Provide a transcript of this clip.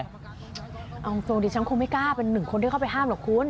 เอาจริงดิฉันคงไม่กล้าเป็นหนึ่งคนที่เข้าไปห้ามหรอกคุณ